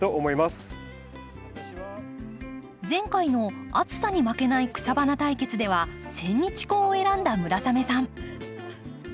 前回の「暑さに負けない草花対決」ではセンニチコウを選んだ村雨さん。